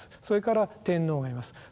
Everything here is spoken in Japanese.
それから天皇がいます。